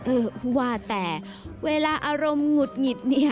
เออว่าแต่เวลาอารมณ์หงุดหงิดเนี่ย